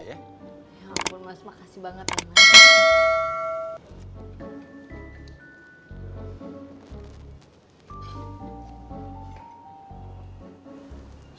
ya ampun mas makasih banget ya mas